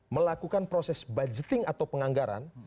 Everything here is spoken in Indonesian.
melakukan proses budgeting atau penganggaran